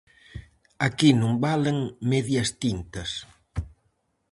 Aquí non valen medias tintas.